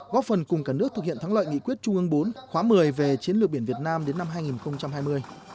góp phần cùng cả nước thực hiện thắng lợi nghị quyết trung ương bốn khóa một mươi về chiến lược biển việt nam đến năm hai nghìn hai mươi